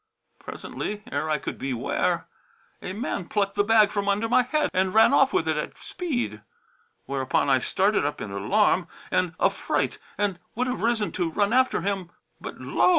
Presently, ere I could be ware, a man plucked the bag from under my head and ran off with it at speed: whereupon I started up in alarm and affright and would have arisen to run after him; but lo!